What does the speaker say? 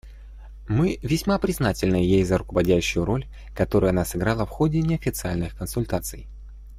Мы весьма признательны ей за руководящую роль, которую она сыграла в ходе неофициальных консультаций.